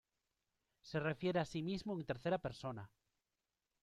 Se refiere a sí mismo en tercera persona.